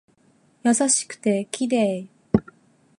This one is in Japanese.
優しくて綺麗